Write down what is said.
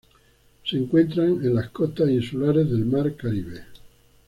Se encuentran en las costas insulares del Mar Caribe.